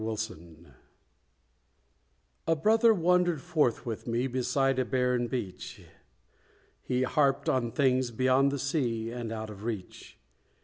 Doubting A Brother wandered forth with me, Beside a barren beach: He harped on things beyond the sea, And out of reach.